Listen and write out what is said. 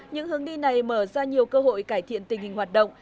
những hướng đi này mở ra nhiều cơ hội cải thiện tình hình hoạt động